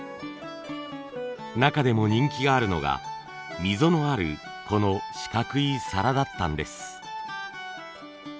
中でも人気があるのが溝のあるこの四角い皿だったんです。